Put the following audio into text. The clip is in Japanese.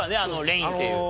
レインっていう。